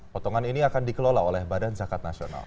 potongan ini akan dikelola oleh badan zakat nasional